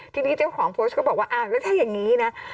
ทีนี้เจ้าของโพสต์ก็บอกว่าอ้าวแล้วถ้าอย่างนี้นะ